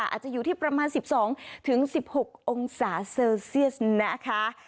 อาจจะอยู่ที่ประมาณ๑๒๑๖องศาเซลเซียสนะคะ